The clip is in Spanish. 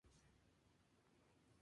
El hojas son opuestas y simples.